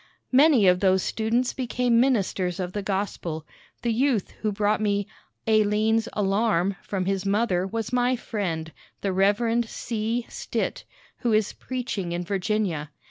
Many of those students became ministers of the gospel. The youth who brought me "Alleine's Alarm" from his mother was my friend, the Rev. C. Stitt, who is preaching in Virginia.